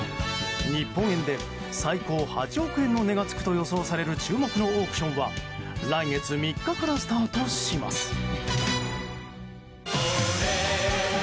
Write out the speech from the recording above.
日本円で最高８億円の値が付くと予想される注目のオークションは来月３日からスタートします。